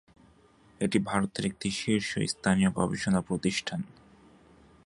এটি ভারতের একটি শীর্ষস্থানীয় গবেষণা প্রতিষ্ঠান।